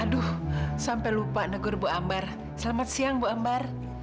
aduh sampai lupa negur bu ambar selamat siang bu ambar